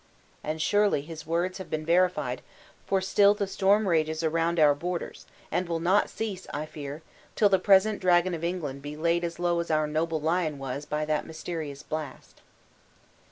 And surely his words have been verified, for still the storm rages around our borders and will not cease, I fear, till the present dragon of England be laid as low as our noble lion was by that mysterious blast."